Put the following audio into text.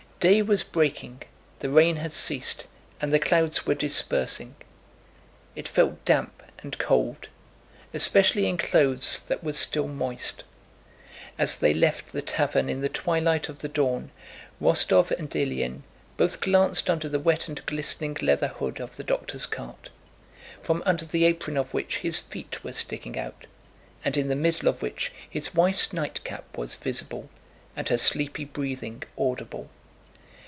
Day was breaking, the rain had ceased, and the clouds were dispersing. It felt damp and cold, especially in clothes that were still moist. As they left the tavern in the twilight of the dawn, Rostóv and Ilyín both glanced under the wet and glistening leather hood of the doctor's cart, from under the apron of which his feet were sticking out, and in the middle of which his wife's nightcap was visible and her sleepy breathing audible.